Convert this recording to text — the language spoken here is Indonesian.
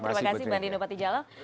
terima kasih bandino patijalo